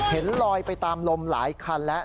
เห็นลอยไปตามลมหลายคันแล้ว